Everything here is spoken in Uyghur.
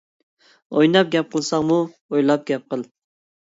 ئويناپ گەپ قىلساڭمۇ ئويلاپ گەپ قىل.